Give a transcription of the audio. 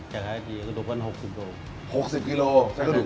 เหลือเพียงกระดูกปันหกสิบกิโลกรัม